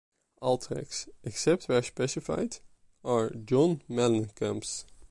All tracks, except where specified, are John Mellencamp’s.